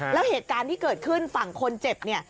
แล้วเหตุการณ์ที่เกิดขึ้นฝั่งคนเจ็บเนี่ย